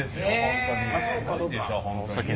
本当に。